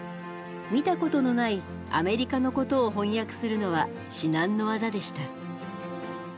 見たことのないアメリカのことを翻訳するのは至難の業でした。